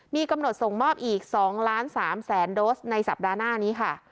มีกำหนดส่งมอบอีก๒ล้าน๓แสนโดสในสัปดาห์หน้านี้ค่ะ